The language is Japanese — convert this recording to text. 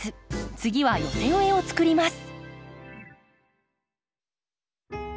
次は寄せ植えを作ります。